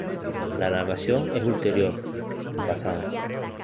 La narración es ulterior, en pasado.